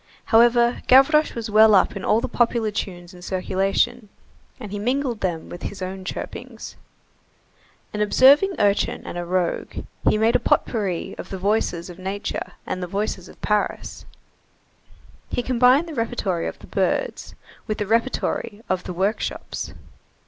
However, Gavroche was well up in all the popular tunes in circulation, and he mingled with them his own chirpings. An observing urchin and a rogue, he made a potpourri of the voices of nature and the voices of Paris. He combined the repertory of the birds with the repertory of the workshops.